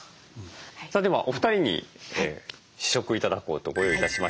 さあではお二人に試食頂こうとご用意致しました。